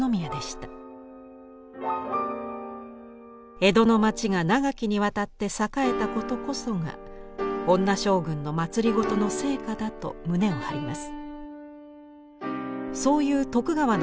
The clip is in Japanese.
江戸の町が長きにわたって栄えたことこそが女将軍の政の成果だと胸を張ります。